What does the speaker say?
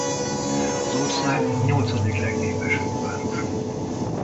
Az ország nyolcadik legnépesebb városa.